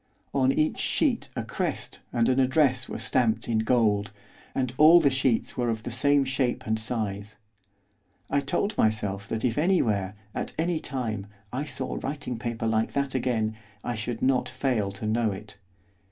On each sheet a crest and an address were stamped in gold, and all the sheets were of the same shape and size. I told myself that if anywhere, at any time, I saw writing paper like that again, I should not fail to know it.